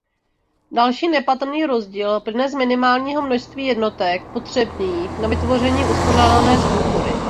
Další nepatrný rozdíl plyne z minimálního množství jednotek potřebných na vytvoření uspořádané struktury.